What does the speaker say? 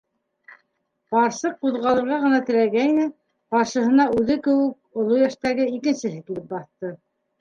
Ҡарсыҡ ҡуҙғалырға ғына теләгәйне, ҡаршыһына үҙе кеүек үк оло йәштәге икенсеһе килеп баҫты.